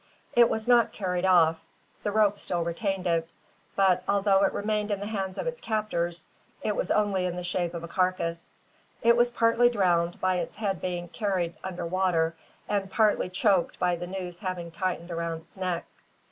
It was not carried off. The rope still retained it; but, although it remained in the hands of its captors, it was only in the shape of a carcass. It was partly drowned by its head being carried under water, and partly choked by the noose having tightened around its neck.